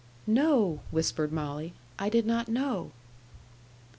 "No," whispered Molly; "I did not know."